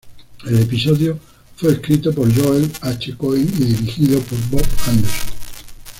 El episodio fue escrito por Joel H. Cohen y dirigido por Bob Anderson.